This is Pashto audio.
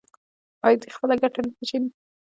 آیا دوی خپله ګټه نه پیژني؟